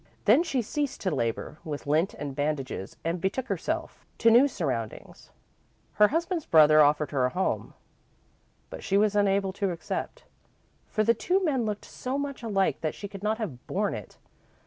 Then she ceased to labour with lint and bandages and betook herself to new surroundings. Her husband's brother offered her a home, but she was unable to accept, for the two men looked so much alike that she could not have borne it.